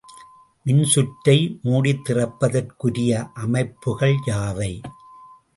மின்சுற்றை மூடித்திறப்பதற்குரிய அமைப்புகள் யாவை?